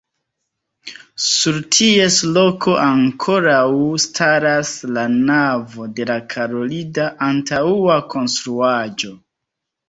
Sur ties loko ankoraŭ staras la navo de la karolida antaŭa konstruaĵo.